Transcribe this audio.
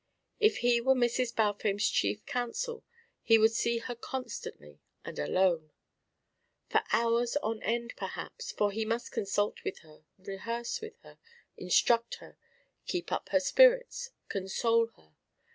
If he were Mrs. Balfame's chief counsel he would see her constantly, and alone for hours on end, perhaps, for he must consult with her, rehearse her, instruct her, keep up her spirits, console her.